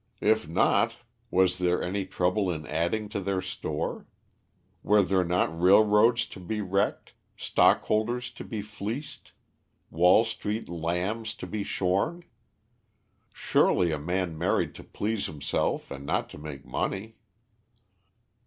If not, was there any trouble in adding to their store? Were there not railroads to be wrecked; stockholders to be fleeced; Wall Street lambs to be shorn? Surely a man married to please himself and not to make money.